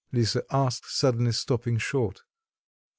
Lisa asked, suddenly stopping short.